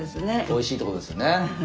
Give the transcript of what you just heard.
おいしいってことですよね。